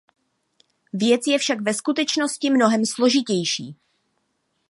Věc je však ve skutečnosti mnohem složitější.